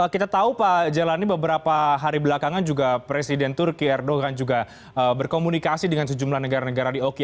kita tahu pak jelani beberapa hari belakangan juga presiden turki erdogan juga berkomunikasi dengan sejumlah negara negara di oki